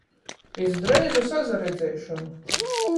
Iz dreizu sasaredziešonu!